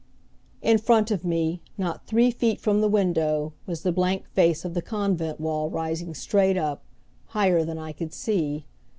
In front of me, not three feet from the window was the blank face of the convent wall rising straight up, higher than I could see.